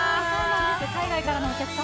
海外からのお客様。